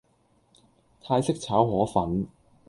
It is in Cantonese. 泰式炒河粉